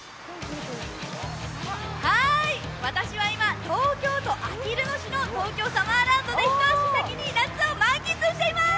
私は今、東京都あきる野市の東京サマーランドで一足先に夏を満喫していまーす。